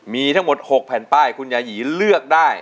มีทั้งหมด๖แผ่นป้ายคุณยายีเลือกได้